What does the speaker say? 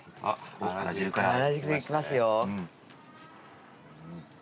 あら汁いきますよ。